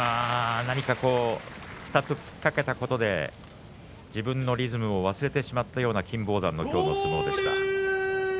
突っかけたことで、２つ自分のリズムを忘れてしまったような金峰山の今日の相撲でした。